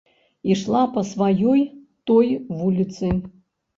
Ішла па сваёй той вуліцы.